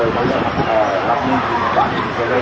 รักนี้สบายที่จะได้